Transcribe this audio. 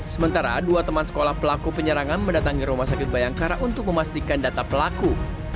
sementara dua teman sekolah pelaku penyerangan mendatangi rumah sakit bayangkara untuk memastikan data pelaku